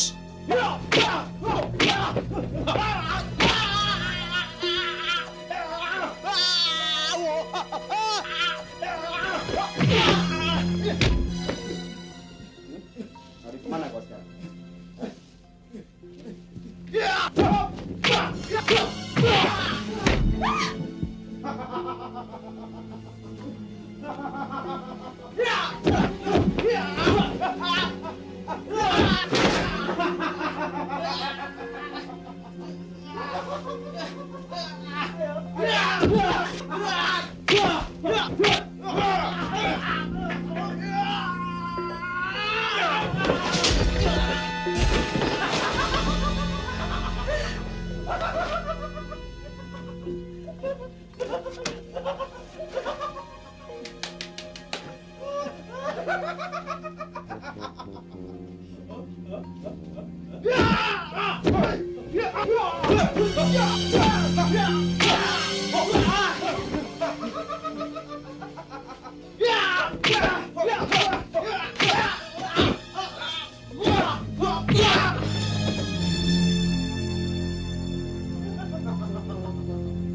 hmm aduh mana kau sekarang